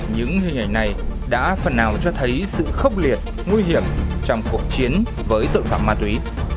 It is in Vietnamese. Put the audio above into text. những hình ảnh này đã phần nào cho thấy sự khốc liệt nguy hiểm trong cuộc chiến với tội phạm ma túy